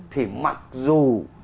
thì mặc dù